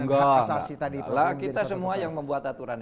nah kita semua yang membuat aturan